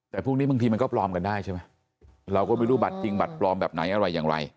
แต่พวกนี้บางทีมันก็ปลอมกันได้ใช่ไหมเราก็ไม่รู้บัตรจริงบัตรปลอมแบบไหนอะไรอย่างไร